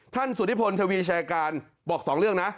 ท่านสุธิพลทวีแชร์การบอกสองเรื่องนะ